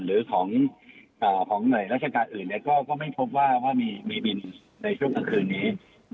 หรือของหน่วยราชการอื่นก็ไม่พบว่ามีบินในช่วงกลางคืนนี้